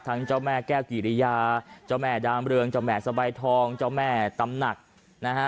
เจ้าแม่แก้วกิริยาเจ้าแม่ดามเรืองเจ้าแม่สบายทองเจ้าแม่ตำหนักนะฮะ